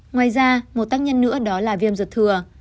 ngoài ra một tác nhân nữa đó là viêm ruột thừa